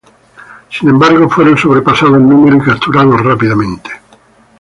Sin embargo, fueron sobrepasados en número y capturados rápidamente.